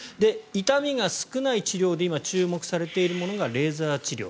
痛みが少ない治療で今、注目されているものがレーザー治療。